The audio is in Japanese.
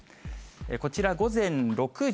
こちら、午前６時。